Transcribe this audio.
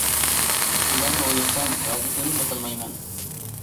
بۇلارنى ئويلىسام غەزىپىمنى باسالمايمەن!